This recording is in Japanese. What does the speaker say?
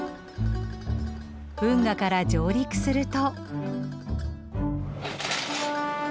運河から上陸すると。